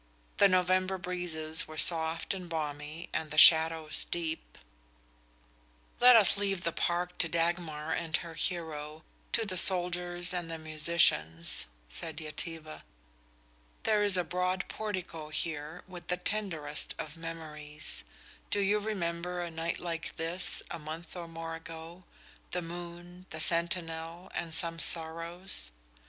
The November breezes were soft and balmy and the shadows deep. "Let us leave the park to Dagmar and her hero, to the soldiers and the musicians," said Yetive. "There is a broad portico here, with the tenderest of memories. Do you remember a night like this, a month or more ago? the moon, the sentinel and some sorrows?